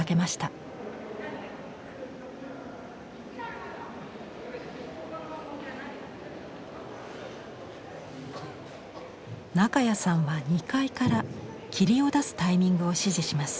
中谷さんは２階から霧を出すタイミングを指示します。